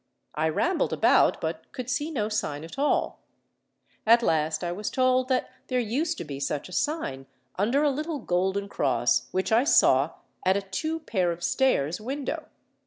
I rambled about, but could see no sign at all. At last I was told that there used to be such a sign under a little golden cross which I saw at a two pair of stairs window.